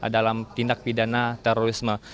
dalam tindak pidana terorisme